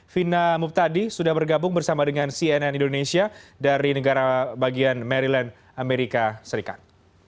vina muptadi sudah bergabung bersama dengan cnn indonesia dari negara bagian maryland amerika serikat